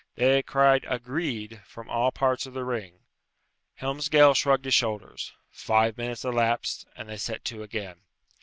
They cried "Agreed!" from all parts of the ring. Helmsgail shrugged his shoulders. Five minutes elapsed, and they set to again.